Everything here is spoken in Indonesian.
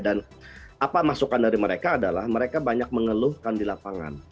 dan apa masukan dari mereka adalah mereka banyak mengeluhkan di lapangan